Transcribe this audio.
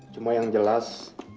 cuma yang jelas